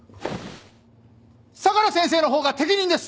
相良先生のほうが適任です！